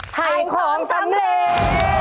ไข่ของสำเร็จ